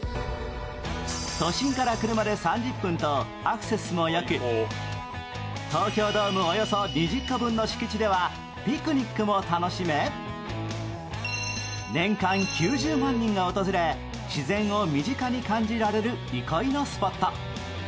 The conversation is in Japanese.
都心から車で３０分とアクセスもよく東京ドームおよそ２０個分の敷地ではピクニックも楽しめ、年間９０万人が訪れ自然を身近に感じられる憩いのスポット。